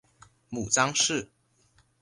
母臧氏。